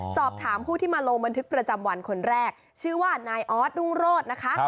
สอบถามผู้ที่มาลงบันทึกประจำวันคนแรกชื่อว่านายออสรุ่งโรธนะคะ